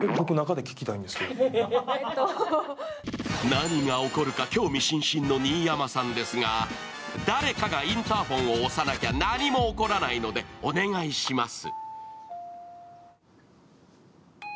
何が起こるか興味津々の新山さんですが誰かがインターホンを押さなきゃ何も起こらないので、お願いします。